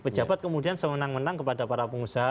pejabat kemudian semenang menang kepada para pengusaha